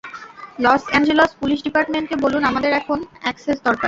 Loss Angeles police ডিপার্টমেন্টকে বলুন আমাদের এখন অ্যাক্সেস দরকার।